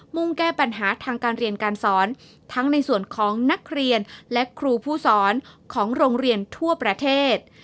่งแก้ปัญหาทางการเรียนการสอนทั้งในส่วนของนักเรียนและครูผู้สอนของโรงเรียนทั่วประเทศ